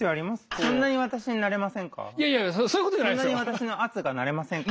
そんなに私の圧が慣れませんか？